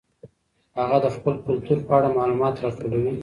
هغه د خپل کلتور په اړه معلومات راټولوي.